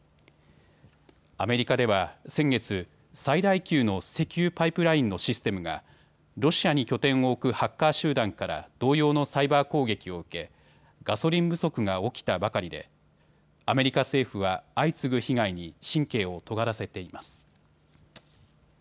アメリカでは先月、最大級の石油パイプラインのシステムがロシアに拠点を置くハッカー集団から同様のサイバー攻撃を受けガソリン不足が起きたばかりでアメリカ政府は相次ぐ被害に神経をとがらせています。